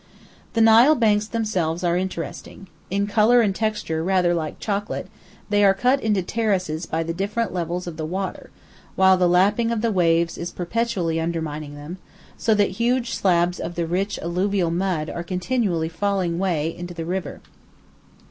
The Nile banks themselves are interesting. In colour and texture rather like chocolate, they are cut into terraces by the different levels of the water, while the lapping of the waves is perpetually undermining them, so that huge slabs of the rich alluvial mud are continually falling away into the river.